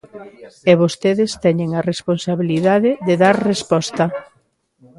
E vostedes teñen a responsabilidade de dar resposta.